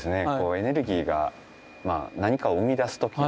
エネルギーが何かを生み出す時